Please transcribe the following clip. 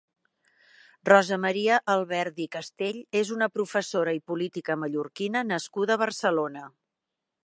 Rosamaria Alberdi Castell és una professora i política mallorquina nascuda a Barcelona.